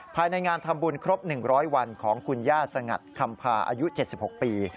ภายในงานทำบุญครบ๑๐๐วันของคุณย่าสงัดคำพาอายุ๗๖ปี